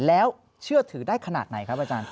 แล้วเชื่อถือได้ขนาดไหนครับอาจารย์